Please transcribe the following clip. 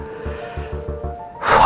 aku bingung jawabnya